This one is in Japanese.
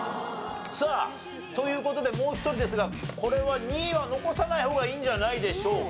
さあという事でもう一人ですがこれは２位は残さない方がいいんじゃないでしょうか。